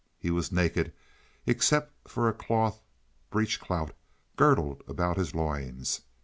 He was naked except for a cloth breech clout girdled about his loins.